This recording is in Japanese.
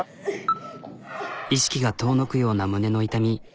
意識が遠のくような胸の痛み。